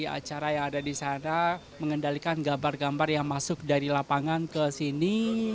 acara yang ada di sana mengendalikan gambar gambar yang masuk dari lapangan ke sini